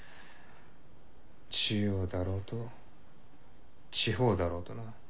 中央だろうと地方だろうとな。